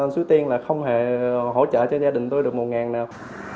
xuế tiên là không hề hỗ trợ cho gia đình tôi được một ngàn nào